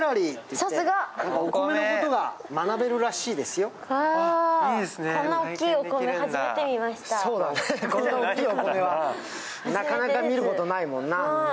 そうだね、こんなに大きいお米はなかなか見ることないもんな。